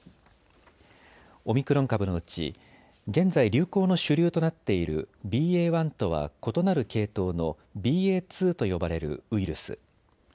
オミクロン株のうち、現在、流行の主流となっているＢＡ．１とは異なる系統のＢＡ．２と呼ばれるウイルス。